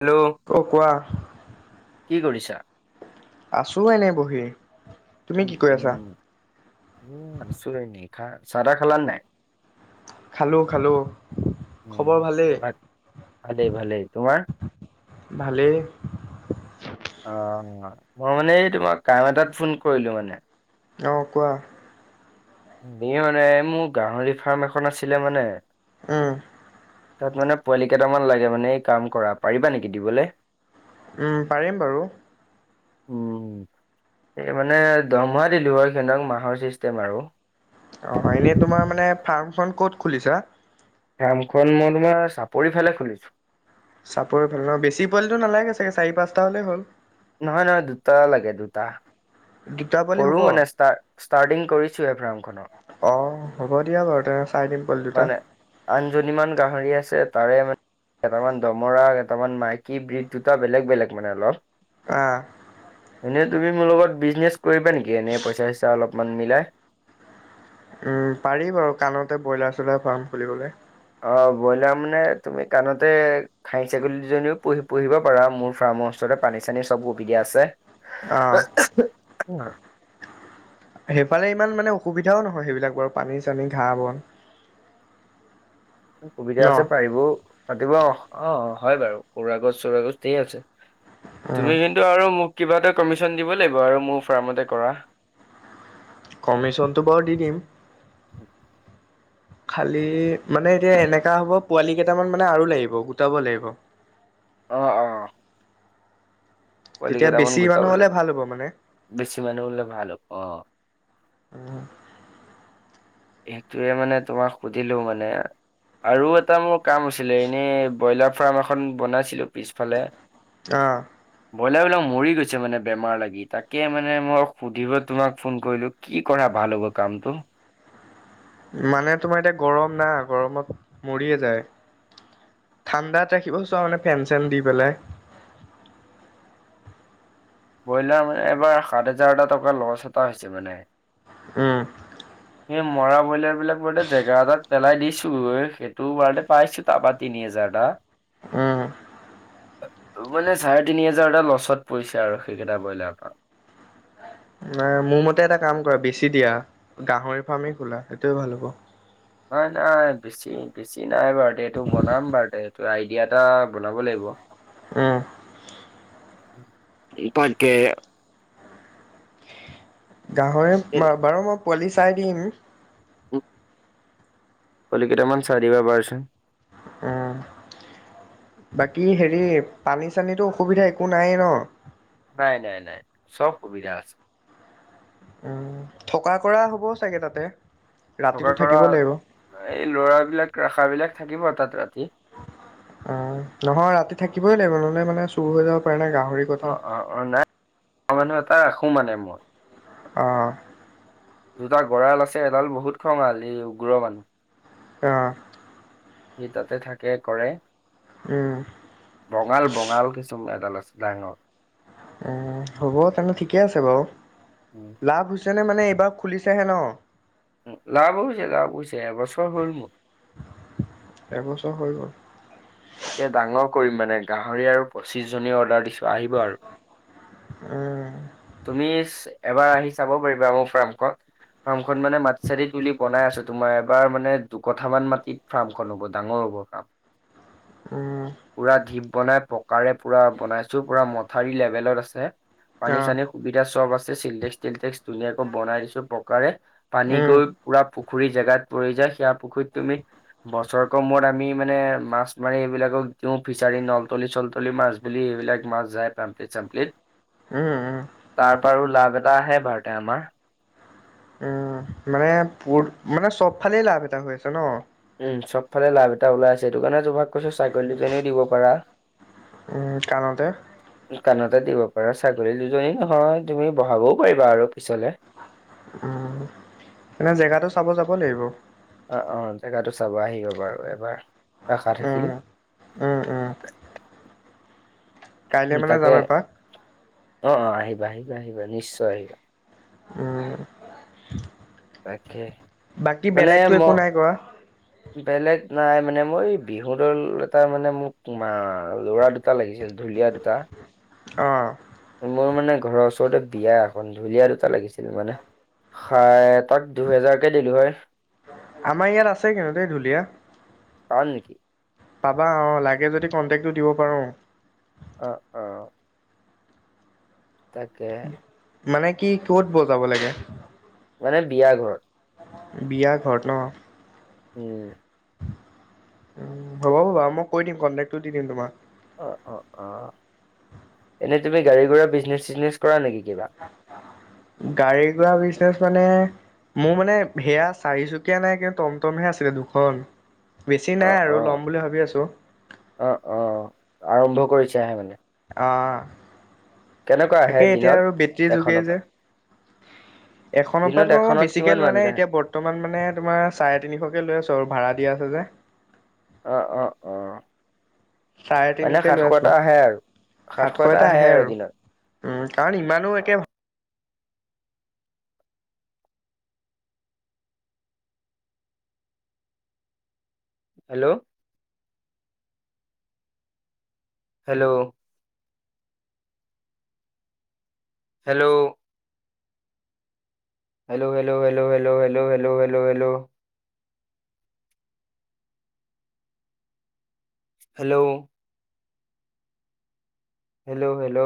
Hello. অ', কোৱা। কি কৰিছা? আছো এনেই বহি। তুমি উম, কি কৰি আছা উম, উম আছো এনে খা চাহ তাহ খালানে নাই? খালোঁ খালোঁ, খবৰ ভালেই! উম বাক ভালেই ভালেই তোমাৰ? ভালেই। অ', মই মানে এই তোমাৰ কাম এটাত ফোন কৰিলো মানে। অ', কোৱা। এই মানে মোৰ মানে মোৰ গাহৰি ফাৰ্ম এখন আছিলে মানে। উম। তাত মানে পোৱালি কেইটামান লাগে মানে এই কাম কৰা পাৰিবা নেকি দিবলৈ? উম, পাৰিম বাৰু। উম। এই মানে দৰমহা দিলোঁ হৈ সিহঁতক মাহৰ চিষ্টেম আৰু। অ', এনেই তোমাৰ মানে ফাৰ্মখন ক'ত খুলিছা? ফ্ৰামখন মই তোমাৰ চাপৰি ফালে খুলিছো। চাপৰি ফালে অ' বেছি পুৱালিটো নালাগে, চাৰি পাঁচটা হ'লে হ'ল। নহয় নহয়, দুটা লাগে দুটা। দুটা পোৱালি সৰু হ'ব মানে ষ্টা-ষ্টাৰ্টিং কৰিছোঁয়ে ফাৰ্মখনৰ। অঁ হ'ব দিয়া বাৰুতে, চাই দিম। পোৱালি দুটা মানে আনজনী মান গাহৰি আছে তাৰে মান কেইটামান দমৰা, কেইটামান মাইকী, ব্ৰীজ দুটা বেলেগ বেলেগ মানে অলপ। অ'। এনেই তুমি মোৰ লগত বিজনেছ কৰিবা নেকি, এনেই পইচা চইচা অলপমান মিলাই? উম, পাৰি বাৰু কাণতে ব্ৰইলাৰ চইলাৰ ফাৰ্ম খুলিবলে। অ' বইলাৰ মানে তুমি কাণতে খাই ছাগলীজনীও পুহি পুহিব পাৰা মোৰ ফাৰ্ম হাউচতে, পানী চানী চব সুবিধা আছে। অ [unintelligible] সেইফালে ইমান মানে অসুবিধাও নহয়, সেইবিলাক বাৰু পানী চানী, ঘাঁহ বন। সুবিধা ন আছে পাৰিব। পাতিব অ' হয় বাৰু কৰা গছ চৰা গছ আছে উম তুমি যুন টো আৰু মোক কিবা এটা কমিচন দিব লাগিব আৰু মোৰ ফাৰ্মতে কৰা। কমিচনটো বাৰু দি দিম। [inaudible] খালী মানে এতিয়া এনেকা হ'ব পোৱালি কেইটামান মানে আৰু লাগিব, গোটাব লাগিব। অ', অ'। পোৱালি তেতিয়া কেইটামান বেছি মানুহ গোটাবলে হ'লে ভাল হ'ব মানে। বেছি মানুহ হ'লে ভাল হ'ব অ'। উম। সেইটোৱে মানে তোমাক সুধিলো মানে। আৰু এটা মোৰ কাম আছিলে এনেই, ব্ৰইলাৰ ফাৰ্ম এখন বনাইছিলোঁ পিছফালে। অ'। ব্ৰইলাৰবিলাক মৰি গৈছে মানে বেমাৰ লাগি, তাকে মানে মই সুধিব তোমাক ফোন কৰিলোঁ। কি কৰা ভাল হ'ব কামটো? মানে তোমাৰ এতিয়া গৰম না, গৰমত মৰিয়ে যায়। ঠাণ্ডাত ৰাখিব চোৱা মানে ফেন চেন দি পেলাই। ব্ৰইলাৰ মানে এবাৰ সাত হাজাৰটা টকা লছ এটা হৈছে মানে। উম। সে মৰা ব্ৰইলাৰবিলাক বাৰুতে জেগা এটাত পেলাই দিছোঁ এ, সেইটোও বাৰুতে পাইছ তাৰপা তিনি হেজাৰ এটা। উম। মানে চাৰে তিনি হাজাৰটা লছত পৰিছে আৰু সেইকেইটা ব্ৰইলাৰপা। নাই মোৰ মতে এটা কাম কৰা বেচি দিয়া, গাহৰি ফাৰ্মেই খোলা সেইটোয়ে ভাল হ'ব। নাই নাই বেচি বেছি নাই বাৰুতে, এইটো বনাম বাৰুতে। আইডিয়া এটা বনাব লাগিব। উম। [unintelligible] গাহৰি বা-বাৰু মই পোৱালি চাই দিম। পোৱালি কেইটামান চাই দিবা বাৰচোন। উম। বাকী হেৰি পানী চানীটো অসুবিধা একো নায়েই ন'? নাই নাই নাই, চব সুবিধা আছে। উম, থকা কৰা হ'ব চাগে তাতে। থকা ৰাতিটো কৰা থাকিব লাগিব। এই লৰাবিলাক ৰাখা বিলাক থাকিব তাত ৰাতি। অ নহয় ৰাতি থাকিবই লাগিব নহলে মানে চুৰ হৈ যাব পাৰে নাই গাহৰি। অ কথা। অ অ নাই মানুহ এটা ৰাখো মানে মই। অঁ। দুটা গঁৰাল আছে এডাল বহুত খঙাল ই উগ্ৰৰ মানুহ কা। সি তাতে থাকে কৰে। উম। বঙাল বঙাল কিছু [inaudible] এডাল আছে ডাঙ। উম হ'ব তেনে ঠিকে আছে বাৰু উম, লাভ হৈছে নে মানে এইবাৰ খুলিছেহে ন। উ লাভ হৈছে লাভ হৈছে এবছৰ হ'ল মোৰ। এবছৰ হৈ গ'ল। এতিয়া ডাঙৰ কৰিম মানে গাহৰি আৰু পঁচিশ জনী অৰ্ডাৰ দিছ। ত আহিব আৰু। উম, তুমিচ এবাৰ আহি চাব পাৰিবা মোৰ ফাৰ্মখন। ফাৰ্ম খখন মানে মাটি চাটি তুলি বনাই আছো তোমাৰ এবাৰ মানে দুকঠামান মাটি। ফাৰ্মখন হ'ব ডাঙৰ হ'ব ফ্ৰাম। উম। পুৰা ঢীপ বনাই পকাৰ পুৰা বনাইছো পুৰা মথাউৰি লেভেলত আছে পানী অ', চানী। সুবিধা চব আছে চিলটেক্স তিলটেক্স ধুনীয়াকৈ বনাই দিছো পকাৰে পানী উম। গৈ। পুৰা পুখুৰী জেগাত পৰি যায় সেয়া পুখুৰীত তুমি বছৰক মূৰত আমি মানে মাছ। মানে এইবিলাকক দিওঁ ফিচাৰী নলতলী চলতলি মাছ বুলি এইবিলাক মাছ যায় পাম্প্লিত চাম্প্লিত। [unintelligible] উম উম। তাৰ পাৰো লাভ এটা আহে বাৰতে আমাৰ। উম মানে পুৰ মানে চব ফালেই লাভ এটা হৈ আছে ন। উম চব ফালে লাভ এটা ওলাইছে সেইটো কাৰণে যোভাগ কৰিছো ছাগলী দুজনীও দিব পাৰা। উম কণতে। [inaudible] কাণতে দিব পাৰা ছাগলী দুজনী নহয় তুমি বহাবও পাৰিবা আৰু পিছলে। উম এনে জেগাতটো চাব যাব লাগিব। অ অ জেগাটো চাব আহিব বাৰু এবাৰ আখা থাকিল। উম। উম উম। কাইলৈ মানে তাকে যাম এপাক, অ অ আহিবা আহিবা আহিবা নিশ্চয় আহিবা। উম। তাকে বাকী মানে বেলেগতো ম। একো নাই কৰা? বেলেগ নাই মানে মই বিহু দল এটা মানে মোক মা ল'ৰা দু। টা লাগিছিল ঢুলীয়া দুটা। অ। মোৰ মানে ঘৰৰ ওচৰতে বিয়া এখন ঢুলীয়া দুটা লাগিছিল মানে। খাই তাক দুহেজাৰকে দিলো হয়। আমাৰ ইয়াত আছে কিন্তু দে ঢুলীয়া। পাম নেকি পাবা অ লাগে যদি কণ্টেক্টটো দিব পাৰো। অ অ। তাকে। মানে কি ক'ত বজাব লাগে। মানে বিয়া ঘৰত বিয়া ঘৰত ন অ উ হ'ব ব'বা মই কৈ দিম কণ্টেক্টটো দি দিম তোমাক অঁ অঁ অঁ এনেই তুমি গাড়ী ঘোৰা বিজনেছ চিজনেছ কৰা নেকি কিবা [inaudible] গাড়ী ঘুৰা বিজনেচ মানে মোৰ মানে সেয়া চাৰিচুকীয়া নাই কিন্তু টম টমহে আছিলে দুখন বেছি নাই অ', আৰু অ', ল'ম বুলি ভাবি আছোঁ অ অ আৰম্ভ কৰিছাহে মানে আহ কেনেকুৱা আহে তাকেই এতিয়া দিনত আৰু বেটৰীৰ এখনৰ যুগেই পৰা যে এখনৰ দিনত পৰা তো মই এখনত বেছিকে কিমান লোৱা মানকে নাই আহে? এতিয়া বৰ্ত বৰ্তমান মানে তোমাৰ চাৰে তিনিশকে লৈ আছো আৰু ভাড়া দিয়া আছে যে অ অ অ চাৰে মানে তিনিকৈ লৈ সাতশ আছোঁ এটা আহে আৰু সাতশ এটা আহে আৰু দিনত উম কাৰণ ইমানো একে অ', hello hello hello hello hello hello hello hello hello hello hello hello hello hello